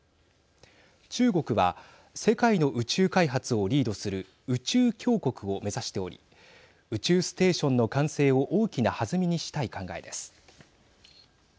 中国は世界の宇宙開発をリードする宇宙強国を目指しており宇宙ステーションの完成を大きな弾みにしたい考えです。